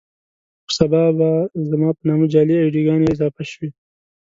خو سبا بيا زما په نامه جعلي اې ډي ګانې اضافه شوې.